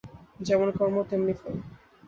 যেমন কর্ম, তেমনি ফল।